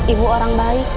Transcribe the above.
ibu orang baik